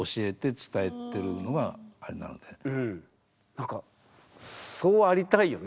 何かそうありたいよね